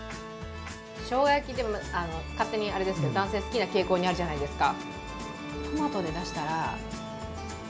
しょうが焼き、勝手にあれですけど、男性、好きな傾向にあるじゃないですか。